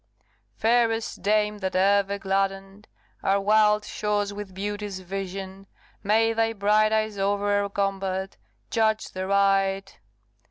Fairest dame that ever gladden'd Our wild shores with beauty's vision, May thy bright eyes o'er our combat, Judge the right!